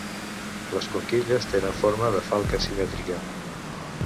Les conquilles tenen forma de falca asimètrica.